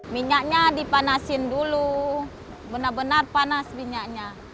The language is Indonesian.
minyaknya dipanasin dulu benar benar panas minyaknya